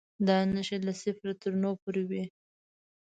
دا نښې له صفر تر نهو پورې وې.